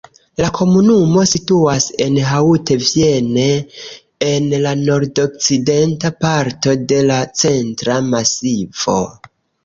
La komunumo situas en Haute-Vienne, en la nordokcidenta parto de la Centra Masivo.